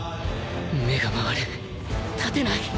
目が回る立てない